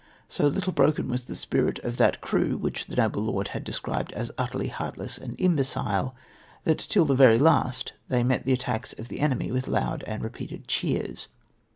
So little broken was the spirit of that crew which the noble lord had described as utterly heartless and imbecile, that till the very last they met the attacks of the enemy with loud and repeated cheers.